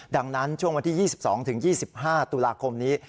ดังนั้นช่วงวันที่๒๒๒๕ตุลาคมนี้